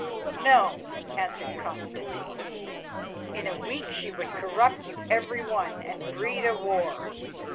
"No," answered Constantine, "in a week she would corrupt you every one and breed a war.